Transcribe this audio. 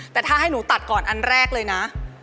แต่ถ้าให้หนูตัดก่อนอันแรกเลยนะ